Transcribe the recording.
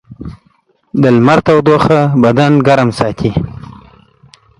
د لمر تودوخه بدن ګرم ساتي.